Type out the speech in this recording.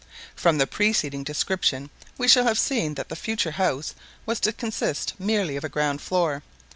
From the preceding description we shall have seen that the future house was to consist merely of a ground floor.